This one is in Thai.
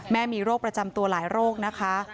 มีโรคประจำตัวหลายโรคนะคะ